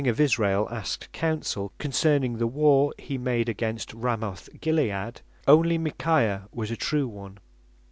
of Israel asked counsel, concerning the warre he made against Ramoth Gilead, only Micaiah was a true one.